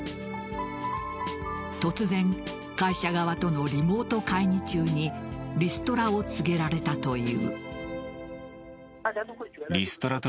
突然、会社側とのリモート会議中にリストラを告げられたという。